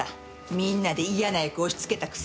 みんなで嫌な役押しつけたくせに。